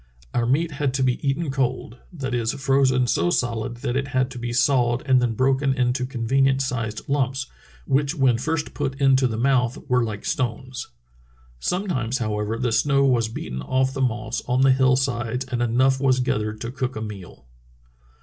Our meat had to be eaten cold — that is, frozen so solid that it had to be sawed and then broken into conven ient sized lumps, which when first put into the mouth were like stones. Sometimes, however, the snow was beaten off the moss on the hill sides and enough was gathered to cook a meal."